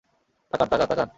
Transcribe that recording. তাকান, তাকান, তাকান!